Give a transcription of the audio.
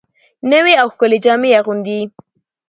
نوې او ښکلې جامې اغوندي